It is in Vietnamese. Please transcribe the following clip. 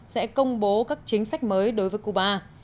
sẽ công bố các chính sách mới đối với cuba